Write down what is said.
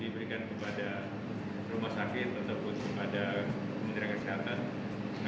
diberikan kepada rumah sakit tetap berhutang pada pemerintah kesehatan